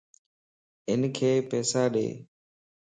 ھنک پيسا ڏي